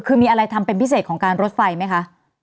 คือมีอะไรทำเป็นพิเศษของการรถไฟไหมคะ